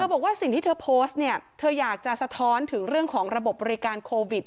บอกว่าสิ่งที่เธอโพสต์เนี่ยเธออยากจะสะท้อนถึงเรื่องของระบบบริการโควิด